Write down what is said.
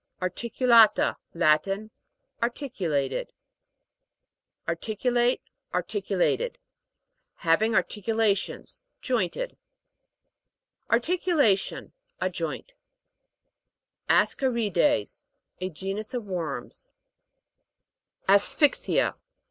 ARTI'CULATA. Latin. Articulated. ARTI'CULATE. i Having articula ARTI'CULATED. \ tions ; jointed. ARTICULA'TION. A joint. ASCA'RIDES. A genus of worms. ASPHYX'IA.